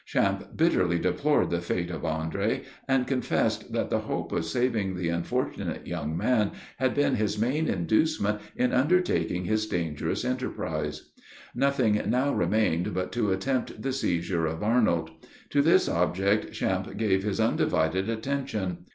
Champe bitterly deplored the fate of Andre, and confessed that the hope of saving the unfortunate young man had been his main inducement in undertaking his dangerous enterprise. Nothing now remained but to attempt the seizure of Arnold. To this object Champe gave his undivided attention.